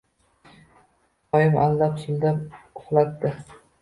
Oyim aldab-suldab uxlatdi.